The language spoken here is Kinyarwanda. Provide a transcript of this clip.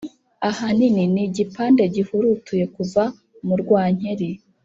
ahanini ni igipande gihurutuye kuva mu rwankeri